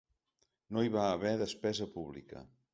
No hi va haver despesa pública.